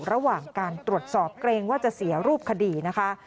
ระหว่างการตรวจสอบเกรงว่าจะเสียรูปคดีนะคะ